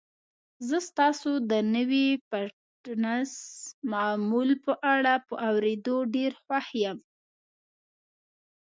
زه ستاسو د نوي فټنس معمول په اړه په اوریدو ډیر خوښ یم.